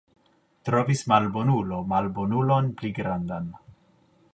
Trovis malbonulo malbonulon pli grandan.